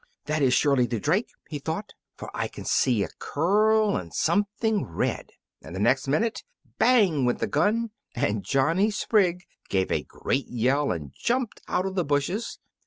"That is surely the drake," he thought, "for I can see a curl and something red;" and the next minute "bang!" went the gun, and Johnny Sprigg gave a great yell and jumped out of the bushes.